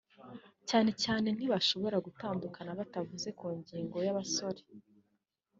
cyane cyane ntibashobora gutandukana batavuze ku ngingo y’abasore